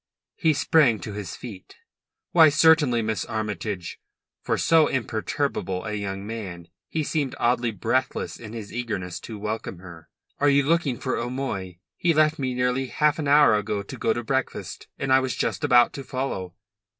He sprang to his feet. "Why, certainly, Miss Armytage." For so imperturbable a young man he seemed oddly breathless in his eagerness to welcome her. "Are you looking for O'Moy? He left me nearly half an hour ago to go to breakfast, and I was just about to follow."